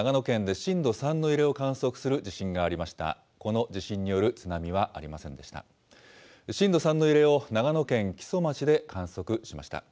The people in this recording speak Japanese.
震度３の揺れを長野県木曽町で観測しました。